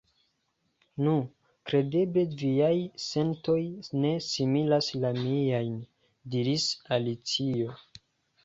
"Nu, kredeble viaj sentoj ne similas la miajn," diris Alicio.